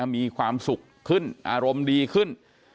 มีความสุขขึ้นอารมณ์ดีขึ้น